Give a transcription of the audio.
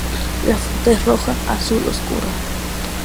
La fruta es roja, azul oscuro.